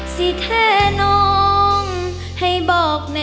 สิแท้น้องให้บอกแม่